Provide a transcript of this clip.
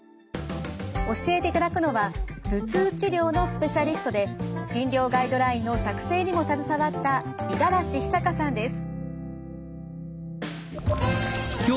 教えていただくのは頭痛治療のスペシャリストで診療ガイドラインの作成にも携わった五十嵐久佳さんです。